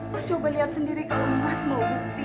mas coba lihat sendiri kalau mas mau bukti